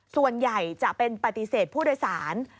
ส่วนใหญ่จะเป็นปฏิเสธผู้โดยสาร